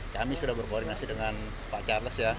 kami sudah berkoordinasi dengan pak charles ya